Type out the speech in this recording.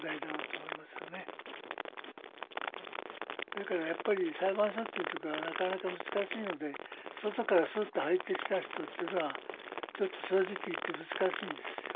だからやっぱり裁判所というところはなかなか難しいので外からスッと入ってきた人というのはちょっと正直言って難しいんです。